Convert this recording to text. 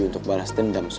untuk balas dendamnya